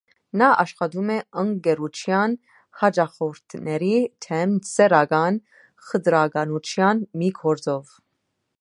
Նա աշխատում է ընկերության հաճախորդների դեմ սեռական խտրականության մի գործով։